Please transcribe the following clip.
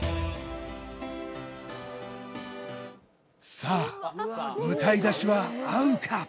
さあ歌い出しは合うか？